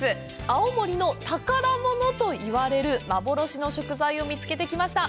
青森の宝物と言われる幻の食材を見つけてきました！